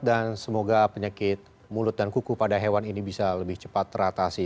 dan semoga penyakit mulut dan kuku pada hewan ini bisa lebih cepat teratasi